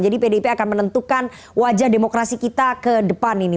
jadi pdip akan menentukan wajah demokrasi kita ke depan ini